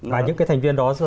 và những cái thành viên đó